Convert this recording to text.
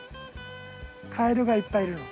カエルがいっぱいいるの。